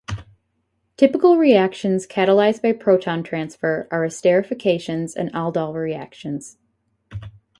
Typical reactions catalyzed by proton transfer are esterfications and aldol reactions.